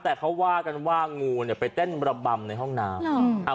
แต่เขาว่ากันว่างูเนี่ยไปเต้นระบำในห้องน้ำ